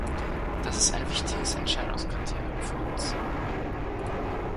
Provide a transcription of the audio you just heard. Das ist ein wichtiges Entscheidungskriterium für uns.